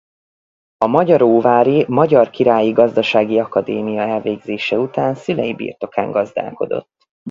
A Magyaróvári Magyar Királyi Gazdasági Akadémia elvégzése után szülei birtokán gazdálkodott.